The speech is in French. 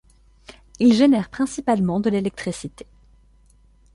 Il génère principalement de l'électricité.